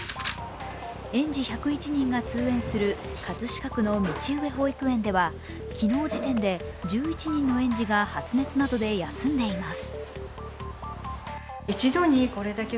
園児１０１人が通園する葛飾区の道上保育園では、昨日時点で１１人の園児が発熱などで休んでいます。